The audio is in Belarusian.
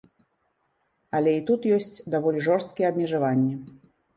Але і тут ёсць даволі жорсткія абмежаванні.